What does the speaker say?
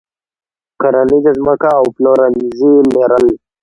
کرنیزه ځمکه او پلورنځي لرل.